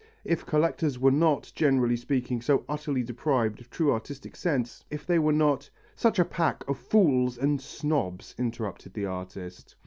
If collectors were not, generally speaking, so utterly deprived of true artistic sense, if they were not " "Such a pack of fools and snobs," interrupted the artist.